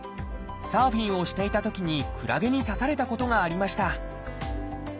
サーフィンをしていたときにクラゲに刺されたことがありました。